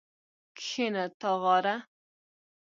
کښېنه تاغاره